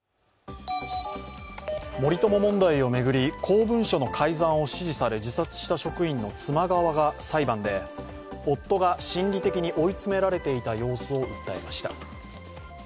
森友問題を巡り公文書の改ざんを指示され自殺した職員の妻側が裁判で夫が心理的に追い詰められていた様子を訴えました。